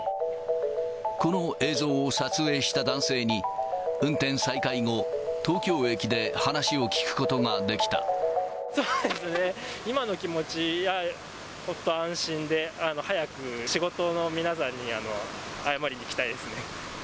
この映像を撮影した男性に、運転再開後、そうですね、今の気持ち、ほっと安心で、早く仕事の皆さんに謝りに行きたいですね。